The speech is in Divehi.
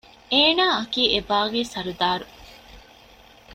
އޭނާއަކީ އެބާޣީ ސަރުދާރު